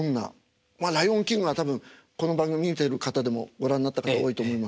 まあ「ライオンキング」は多分この番組見てる方でもご覧になった方多いと思います。